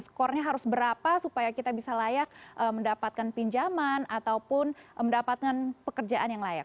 skornya harus berapa supaya kita bisa layak mendapatkan pinjaman ataupun mendapatkan pekerjaan yang layak